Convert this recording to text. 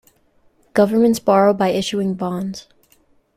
Governments borrow by issuing bonds.